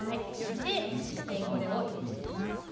でこれを入れていきます。